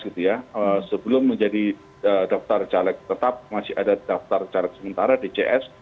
sebelum menjadi daftar caleg tetap masih ada daftar caleg sementara dcs